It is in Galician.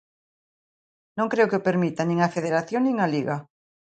Non creo que o permitan nin a Federación nin a Liga.